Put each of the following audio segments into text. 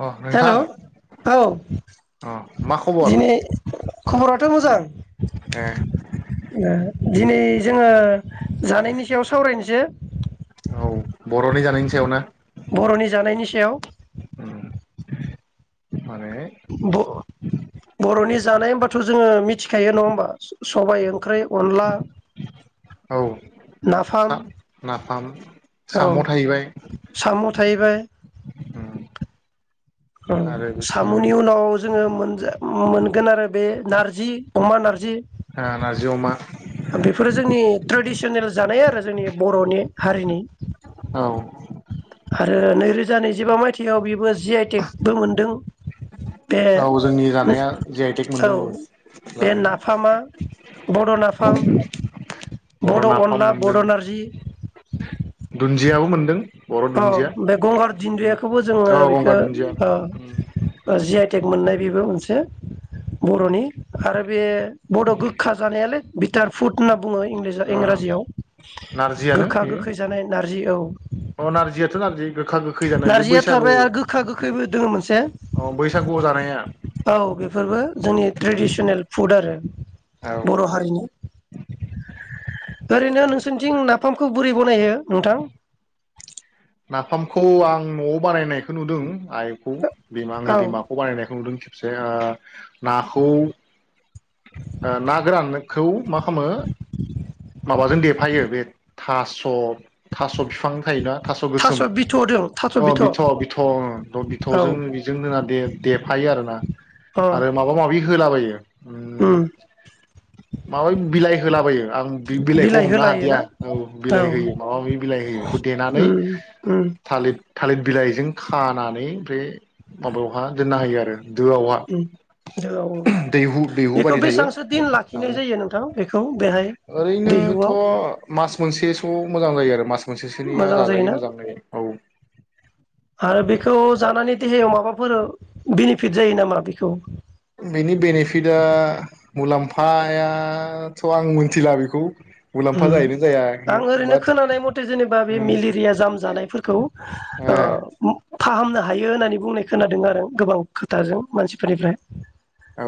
अ हेल' नोंथां औ अ मा खबर दिनै खबराथ' मोजां ए ओ दिनै। जोङो जानायनि सायाव सावरायनो जो औ बर'नि जानायनि सायाव ना? बर'नि जानायनि सायाव उम। माने ब बर'नि जानाय होनबाथ' जोङो मि थिखायो नङा होमबा स सबाइ ओंख्रि अनला औ नाफाम सा नाफाम औ साम' थाहैबाय साम' थाहैबाय उम औ आरो बिथिं साम'नि ओ उनाव ज जोङो मोनजा मोमोनगोन आरो। बे नारजि अमा नारजि नारजि अमा बेफोरो जोंनि ट्रेडिसनेल जानाय आरो जोंनि बर'नि हारिनि औ आरो नैरोज जा नैजिबा मायथाइयाव बेबो ज जि आइ टेकबो मोनदों। बे औ जोंनि जानाया जि आइ टेक मोनदों औ जानाय ओं बर' बड नाफाम अनला मोनदों बड' नारजि जियाबो मोनदों बर' औ दुन्दिया बे गंगार उम दिन्न्दुयाखौबो जोंङो औ बेखो गंगार दुन्दिया ओ उम -ओ जि आइ टेक मोननाय बेबो मोनसे बरनि आरो बे बड गोखा जानायालोइ बिटार फुट [unintelligible] बुंङो ओ इंराजियाव नारजियानो गोखा बेयो गोखै जानाय नारजि औ [unintelligible] गोखा गोखै जानाय बे नारजिया बैसागु थाबाय आरो गोखा गोखैबो दोङो मोनसे अ बैसागु जानाया औ बेफोरबो जोंनि ट्रेडिसनेल फुड आरो औ बर हारिनि ओरैनो नोंसोरनिथिं नाफामखौ बोरै बनायो नोंथां नाफामखौ आं नआव बानायनायखौ नुदों आइखौ बिमा आंनि औ बिमाखौ बानायनायखौ नुदों खेबसे नाखौ ना गोरान खौ मा खालामो माबाजों देफायो बे थास' थास' थास बिफां थायोना थास' थास‌गोसोम बिथ' दं थास' अ बिथ बिथउम औ बिथजों बिजोंनो दे देफायो आरोना अ आरो माबा माबि होलाबायो [inaudible] उम माबाय बिलाइ होलाबायो आं बि बिलाइखौ बिलाइ हमनो होलायोना हादिया औ औ बिलाइ उम होयो माबा माबि बिलाइ होयो बेखौ देनानै उम थालिर थालिर बिलाइजों खानानै बे माबायावहा दोनना होयो आरो दोआवहा उम औ औ दैहु दैहु बेखौ बायदि थायो बेसेबांसो दिन आरो लाखिनाय जायो नोंथां बेखौ बेहाय ओरैनोथ दैहुआव मास मोनसेसो मोजां जायो आरो मास मोनसेसोनिया मोजां जायोना जाजायो मोजांङै औ खौ जानानै देहायाव माबाफोर बेनिफिट जायो नामा बेखौ बेनि बेनिफिटआ मुलाम्फायाथ आं मिथिला बेखौ मुलाम्फा उम जाहैनो जाया आं ओरैनो बाट खोनानाय मथे जेनेबा बे ओम मेलेरिया जाम जानायफोरखौ ओ ए फाहामनो हायो हायो होननानै बुंनाय खोनादों आरो गोबां खोथाजों मानसिफोरनिफ्राय औ।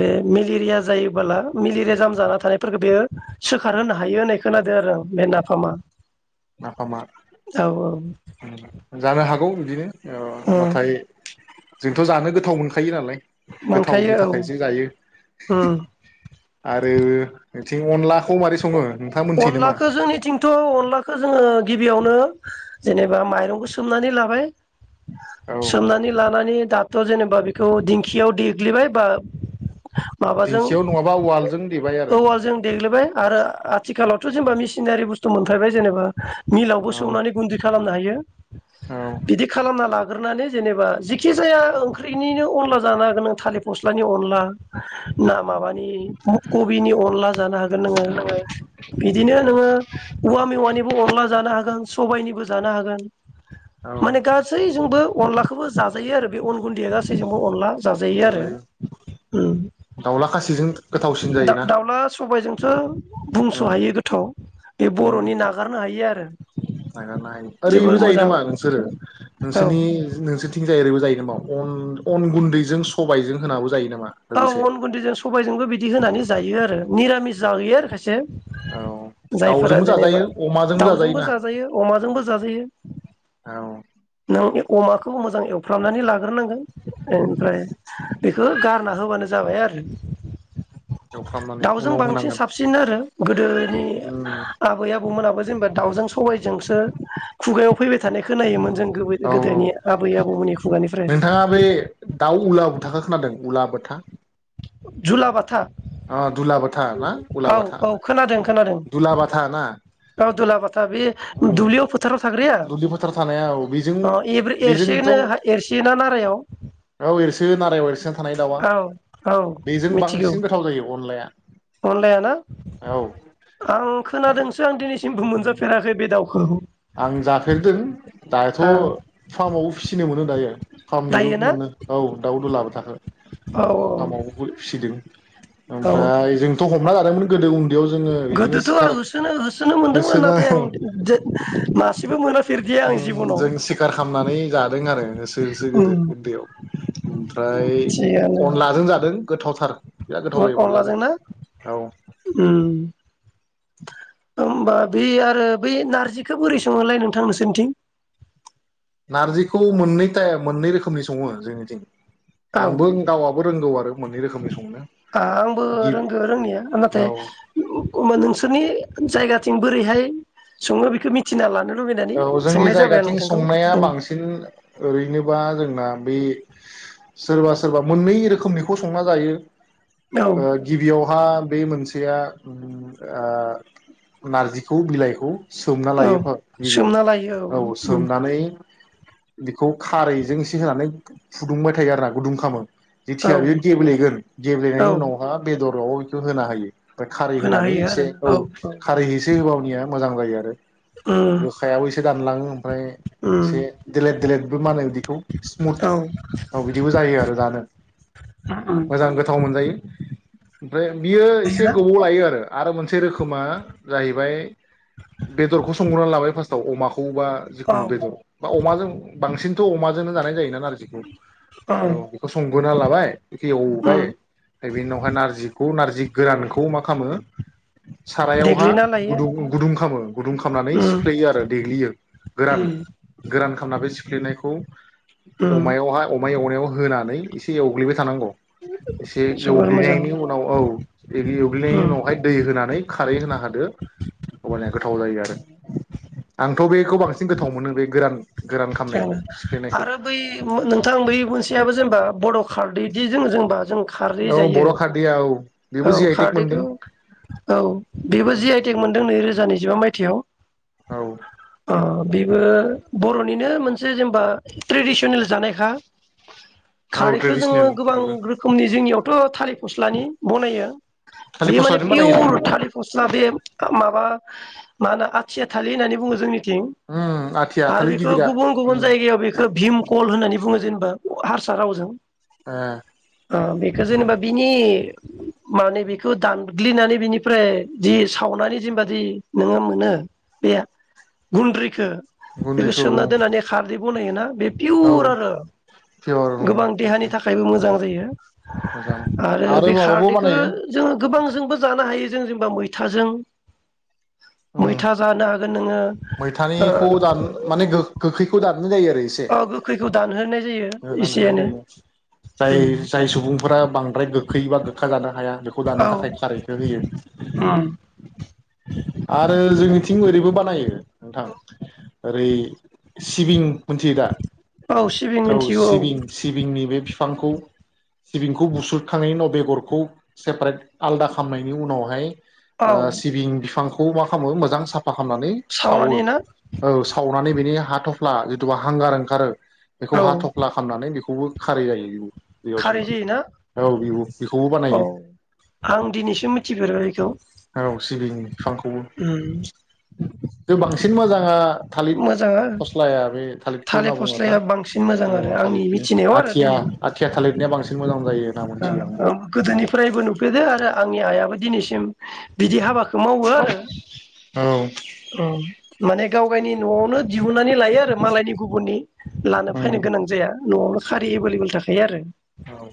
बे मेलेरिया जायोबोला मेलेरिया जाम जाना थानायफोरखौ बेयो। सोखार होनो हायो होननाय खोनादों आरो बे नाफामा। नाफामा औ जानो हागौ। बि औ उम नाथाय। जोंथ' जानो गोथाव मोनखायो नालाय। गोथावनि मोनखायो औ थाखायसो जायो उम आरो। बिथिं अनलाखौ मारै सङो नोंथाङा मोनथियो नामा? अनलाखौ जोंनिथिंथ' अनलाखौ जोङो। गिबियावनो जेनेबा माइरंखौ सोमनानै लाबाय। औ सोमनानै लानानै। दाथ' जेनेबा बेखौ दिंखियाव देग्लिबाय बा। माबाजों दिंखियाव नङाबा उवालजों देबाय आरो। गोलैबाय आरो आथिखालावथ' जेनेबा मिसिनारि बुस्थु मोनफायबाय जेनेबा। मिलावबो औ सौनानै गुन्दै खालामनो हायो। औ बिदि खालामना ला ग्रोनानै जेनेबा जेखि जाया ओंख्रिनिनो अनला जानो हागोन नों थालिर फस्लानि अनला। ना माबानि मु कबिनि अनला। हागोन नोङो बिदिनो नोंङो औवा मेवायनिबो अनला जानो हागोन सबाय। निबो जानो हागोन। औ माने गासैजोंबो अनलाखौबो जाजायो आरो बे अन गुन्दैया गासैजोंबो अनला जाजायो आरो दाउला खासिजों गोथावसिन जायोना दाउला। सबायजोंथ' बुंस' उम हायै गोथाव। बे बर'नि नागारनो हायि आरो नागारनो हायो जोबोर ओरैबो जायो मोजां नामा नोंसोरो नोंसोरनि औ नोंसोरथिं। जे ओरैबो जायो नामा अन अन गुन्दैजों सबायजों होनाबो। जायो नामा औ लोगोसे अन गुन्दैजोंबो सबायजोंबो बिदि होनानै। जायो आरो निरामिस जायो आरो खायसे। औ जायफोरा दाउजोंबो जेनेबा जाजायो अमाजोंबो दाउजोंबो जाजायोना जाजायो अमाजोंबो जाजायो औ नों अमाखौ मोजां एवफ्रामनानै ला ग्रोनांगोन ओमफ्राय। बेखो गा रना होबानो जाबाय आरो। एवफ्रामनानै दाउजों उनाव बांसिन होनांगोन साबसिन आरो गोदोनि उम आबै आबौमोनाबो जेनेबा दाउजों सबायजोंसो खुगायाव फैबाय थानाय खोनायोमोन उम जों औ औ गोदोनि आबै आबौमोननि खुगानिफ्राय। थाखा खोनादों उला बाथा? झुला बाथा? अ दुलाबाथा ना उलाबाथा औ खोनादों खोनादों दुलाबाथा ना औ दुलाबाथा बे ओं दुब्लियाव फोथाराव थाग्राया दुब्लि फोथाराव थानाया औ बेजों अ एब्रे एरसेनो बेजोंथं एरसेयोना नारायाव औ एरसो नारायाव एरसोना थानाय दाउआ औ औ बेजों मिथिगौ। बांसिन गोथाव जायो अनलाया अनलाया ना औ आं खोनादोंसो आं दिनैसि सिमबो मोनजाफेराखै बे दाउखौ। आं जाफेरदों। दाथ' हा फार्मावबो फिसिनो मोनो दायो। फार्मनिबो दायो ना मोनो औ दाउदुलाबो। औ [unintelligible] फार्मावबो फिसिदों। औ ओमफ्राय जों थ हमना जादोंमोन गोदो उन्दै गोदोथ' आं होसोनो होसोनो मोनदोंमोन नाथाय आं होसोना दो उम जों सिखार खामनानै जादों आरो होसो होसो गोदो उम उन्दैयाव ओमफ्राय अनलाजों जादों। गोथावथार बिराद गोथाव जायो अनलाजों अरअनलाजोंना औ उम होमबा बे आरो बै नारजिखौ बोरै सङोलाय नोंथां नोंसोरनिथिं? नारजिखौ मोननै ताइप मोननै रोखोमनि सङो जोंनिथिं। आंबो गावआबो रोंगौ आरो। मोननै रोखोमनि संनो आ आंबो गि रोंगौ रोंनिया नाथाय औ ओमबा नोंसोरनि जायगाथिं बोरैहाय सङो बेखौ मिथिना लानो लुबैनानै औ जोंनि सोंनाय जाबाय आं जायगाथिं नोंथांखौ संनाया औ बांसिन ओरैनोबा जोंना बे सोरबा सोरबा मोननै रोखोमनिखौ संना जायो। औ ओ गिबियावहा बे मोनसे खायसेया ओं आ नारजिखौ बिलाइखौ सोमना औ लायोफोर सोमना लायो औ उम। बेखौ खारैजों एसे होनानै फुदुंबाय थायो आरोना गुदुं खामो। औ जेथिया बेयो गेब्लेगोन औ गेब्लेनायनि उनावहा बेदर बयबो होना हायो। खारै होना होनानै होयो एसे आरो औ खारै एसे होबावनिया मोजां जायो आरो। उम गोखायाबो एसे दानलाङो ओमफ्राय उम एसे देलेट देलेदबो मानो बिदिखौ स्मुथ औ उम बिदिबो जायो आरो जानो गोथाव मोजां गोथाव मोनजायो। [unintelligible] ओमफ्राय बियो एसे मोनलायोना गोबाव लायो आरो। आरो मोनसे रोखो खोमा जाहैबाय बेदरखौ संग्रोना ला फास्तआव अमाखौ बा औ जिखुनु बेदर बा अमाजों बांसिन थ अमाजोंनो जानाय जायो ना औ बेखौ सं होना लाबाय बेखौ एवबाय उम बेनि उनावहाय नारजिखौ नारजि जि गोरानखौ मा खामो सारायावहा देग्लिना लायो गुदुं गुदुं खामो गुदुं खामनानै उम सिुफ्लेयो आरो देग्लियो गोरान उम गोरान खामना बे सिफ्लेनायखौ उम अमायावहा अमा एवनायाव होनानै एसे एवग्लिबाय थानांगौ। एसे जोबोर मोजां एवग्लिनायनि उनाव औ एवग्लिनायनि उम उनावहाय दै होनानै खारै होना होदो अब्लाना गोथाव जायो आरो। आंथ' बेखौ बांसिन गोथाव मोनो बे गोरान गोरान उम खामनायखौ सिफ्लेनायखौ आरो बै नोंथां बै मोनसे जेनबा बर' खारदैदि जों जोंबा जों खारदै औ जायो बर' खारदैया बेबो औ जि आइ टेक मोनदों खारदैखौ औ बेबो जि आइटेक मोनदों नैरोजा नैजिबा मायथाइ थेव औ बेबो बर' निनो मोनसे जेनेबा ट्रेडसनेल जानायखा। औ खारैखौ जोङो ट्रेडिसनेल गोबां बेबो रोखोमनि जोंनियावथ' थालिर फस्लानि बनायो थालिर बेयो माने फस्लाजों बानायो पियर जों थालिर फस्ला बे माबा मा होनो आथिया थालि होननानै बुङो जों उम आथिया बेखौ गिदिरा गुबुन गुबुन उम जायगायाव बेखौ भिम कल होननानै बुङो जेन'बा हारसा रावजों ए ओ बेखो उम जेनेबा बिनि माने बेखौ दानग्लिनानै बिनिफ्राय जि सावनानै जिबादि नोङो मोनो बे गुन्द्रिखो गुन्दैखौ सोमना दोननानै खारदै बनायोना बे औ पियुर आरो पियर उम गोबां देहानि थाखायबो मोजां जायो मोजां आरो बे माबाबो खारदैखौ बानायो जोङो गोबां जोंबो जानो हायो जों जेनेबा मैथाजों उम मैथा जानो हागोन नोङो ओ मैथानिखौ जानो माने गोखैखौ दान गारनाय जायो आरो एसे ओ गोखैखौ दानहोनाय जायो एसे एनै जाय जाय सुबुंफोरा बांद्राय गोखैबा गोखा जानो हाया। खौ दानो औ थाखाय खारैखौ होयो उम आरो जोंनिथिं ओरैबो बानायो नोंथां ओरै सिबिं मिथियो दा औ सिबिं औ मिथिगौ सिबिं सिबिंनि बे बिफांखौ सिबिंखौ बुस्रोद खांनायनि उनाव बेगरखौ सेपारेट आलदा खालामामनायनि उनावहाय औ ओ सिबिं बिफां खौ मा खालामो मोजां साफा खालामनानै सावो सावनानै ना औ सावो माने बिनि हाथ'फ्ला जिथुबा हांगार ओंखारो बेखौ औ हा थफ्ला खालामनानै बेखौ खारै जायो दैयाव खारै सोमना जायोना औ बेखौबो औ बानायो आं दिनैसो मिथिफेरबाय बेखौ औ सिबिं बिफांखौबो उ बांसिन मोजाङा थालिरि फस्लाया बे थालिरखौ थालिर होनना बुङो फस्लाया बांसिन मोजां आरो आरोना आंनि थालिरनि मिथिनायाव आरो आथिया दिनै आथिया थालिरनिया बांसिन मोजां जायो होनना मोनथियो आंबो गोदोनिफ्रायबो नुफेरदो आरो आंनि आइयाबो दिनैसिम बिदि हाबाखौ मावो आरो औ माने गाव गावनि न'आवनो दिहुननानै लायो आरो मालायनि गुबुननि लानो फैनो गोनां जाया न'आवनो खारि एभेलेबेल थाखायो आरो औ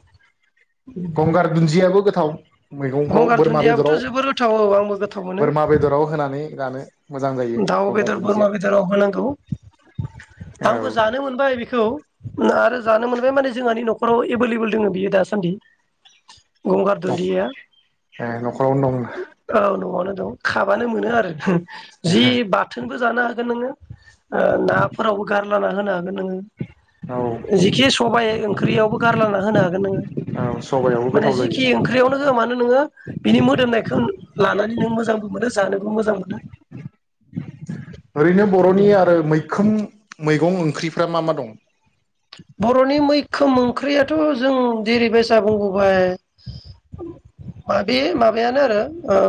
गंगार दुन्दियाबो गोथाव मैगंफ्राव गंगार बोरमा दुन्दियाबोथ' बेदराव जोबोर गोथाव औ आंबो गोथाव मोनो बोरमा बेदराव होनानै जानो मोजां जायो दाउ गंगार बेदर दुन्दिया बोरमा बेदराव होनांगौ आंबो औ जानो मोनबाय बेखौ आरो जानो मोनबाय माने जोंहानि न'खराव एभेलेबल दङ बियो दासान्दि गंगार दुन्दिया न'खरावनो दं औ न'आवनो खाबानो मोनो आरो जि बाथोनबो जानो हागोन नोङो ओ नाफोरावबो गारला होनो हागोन नोङो औ जिखि सबाइ ओंख्रियावबो गारलांना होनो हागोन नोङो औ सबायावबो माने गोथाव जायो जिखि ओंख्रियावनो होआ मानो नोङो बिनि मोदोमनायखौ लानानै नों मोजां मोजां मोनो जानो मोजां मोनो ओरैनो बर'नि आरो मैखोम खुम मैगं ओंख्रिफ्रा मा मा दं बर'नि मैखोम ओंख्रियाथ' जों जेरैबायसा बुंबोबाय माबे माबायानो आरो ओ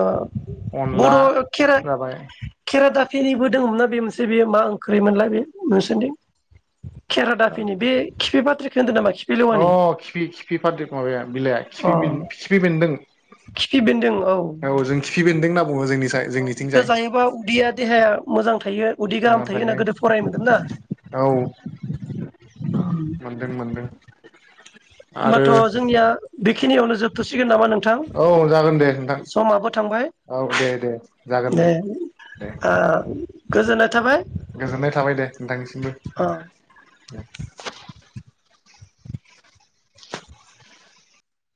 अनला बर' खेरा जाबाय खेर दा खिनिबो दङमोनना बे मोनसे बेयो मा ओंख्रै मोनलाय बे नुसनदों केेरादा दि बे खिफ बाथ्राखौ खोनदो अ खिफि खिफिफादो माबाया बिलाइआ खफ अ खिफि बेन्दों खिफि बेन्दों औ जों खिफि बेनदों होनना बुं जोंनि औ बेखौ जोंनिथिंजाय जायोबा उदैया देहाया मोजां थायो उदै गाहाम थायो मोनामफायो होना गोदो फरायनोन ना औ मोनदों मोनदों आरो होमबाथ' जोंनिया बेखिनियावनो जोबथ'सिगोन नामा नोंथां औ जागोन दे नोंथां समाबो थांबाय औ दे दे जागोन दे दे आ गोजोननाय थाबाय गोजोननाय थाबाय दे नोंथांनिस औ बिनो